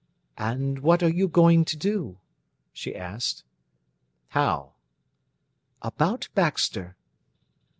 "And what are you going to do?" she asked. "How?" "About Baxter."